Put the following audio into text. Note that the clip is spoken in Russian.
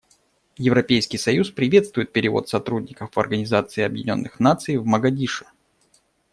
Европейский союз приветствует перевод сотрудников Организации Объединенных Наций в Могадишо.